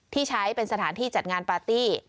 ที่ใช้เป็นสถานที่จัดงานปาร์ตี้